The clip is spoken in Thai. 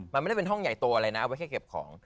มันไม่ได้เป็นห้องใหญ่โตอะไรนะเอาไว้แค่เก็บของ